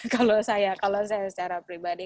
kalau saya secara pribadi